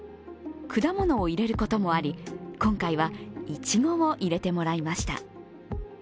果物を入れることもあり、今回はいちごを入れてもらいました。